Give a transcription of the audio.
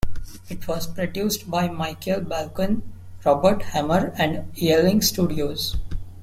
It was produced by Michael Balcon, Robert Hamer and Ealing Studios.